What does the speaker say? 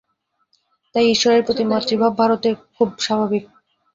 তাই ঈশ্বরের প্রতি মাতৃভাব ভারতে খুব স্বাভাবিক।